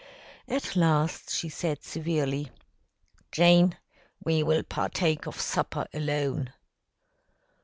At last, she said severely, "Jane, we will partake of supper alone."